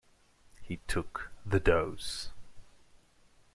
He took the dose.